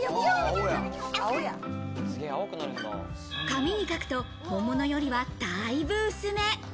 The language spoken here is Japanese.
紙に書くと本物よりはたいぶ薄め。